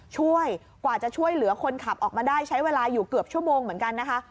กว่าจะช่วยเหลือคนขับออกมาได้ใช้เวลาอยู่เกือบชั่วโมงเหมือนกันนะคะ